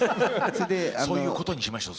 そういうことにしましょう。